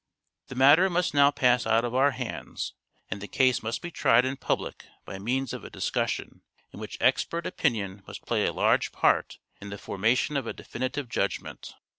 The matter must now pass out of our hands, and the case must be tried in public by means of a discussion in which expert opinion must play a large part in the formation of a definitive judgment.